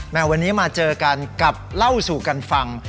วันนี้มาเจอกันกับเล่าสู่กันฟัง